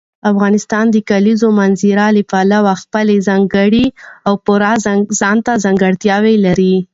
افغانستان د کلیزو منظره له پلوه خپله ځانګړې او پوره ځانته ځانګړتیاوې لري.